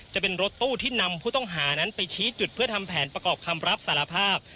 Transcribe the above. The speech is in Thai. จะเป็นรถตู้ที่นำผู้ต้องหานั้นไปชี้จุดเพื่อทำแผนประกอบคำรับสารภาพ